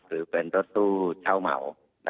หรือเป็นรถตู้เช่าเหมา